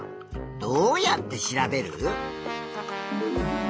どうやって調べる？